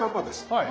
はい。